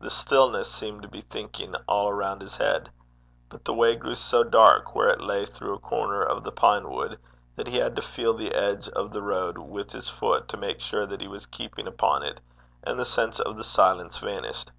The stillness seemed to be thinking all around his head. But the way grew so dark, where it lay through a corner of the pine wood, that he had to feel the edge of the road with his foot to make sure that he was keeping upon it, and the sense of the silence vanished.